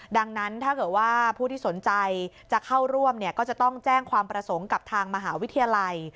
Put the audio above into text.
ดังนั้นถ้าเกิดว่าผู้ที่สนใจจะเข้าร่วมก็จะต้องแจ้งความประสงค์กับทางมหาวิทยาลัย